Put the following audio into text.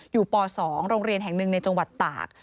ป๒โรงเรียนแห่งหนึ่งในจังหวัดตาก